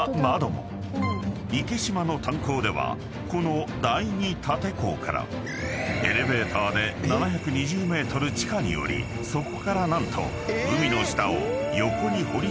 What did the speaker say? ［池島の炭鉱ではこの第二立坑からエレベーターで７２０ｍ地下に降りそこから何と海の下を横に掘り進めていく］